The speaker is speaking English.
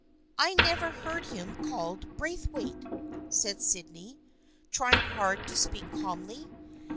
" I never heard him called Braithwaite," said Sydney, trying hard to speak calmly.